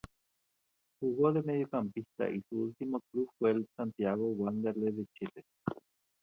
Jugó de Mediocampista y su último club fue el Santiago Wanderers de Chile.